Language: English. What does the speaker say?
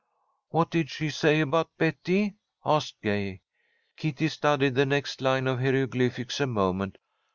"What did she say about Betty?" asked Gay. Kitty studied the next line of hieroglyphics a moment.